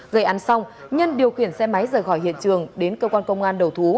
gây án xong nhân điều khiển xe máy rời khỏi hiện trường đến cơ quan công an đầu thú